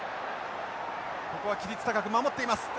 ここは規律高く守っています。